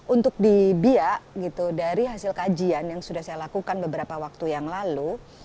untuk di biak gitu dari hasil kajian yang sudah saya lakukan beberapa waktu yang lalu